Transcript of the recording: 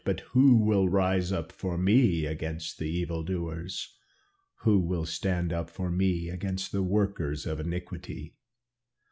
But who will rise up for me against the evil doers; who will stand up for me against the workers of iniquity?